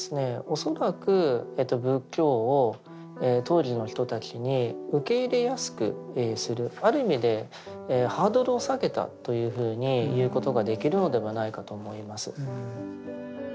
恐らく仏教を当時の人たちに受け入れやすくするある意味でハードルを下げたというふうに言うことができるのではないかと思います。